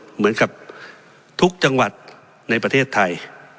เหมือนกับทุกจังหวัดในประเทศไทย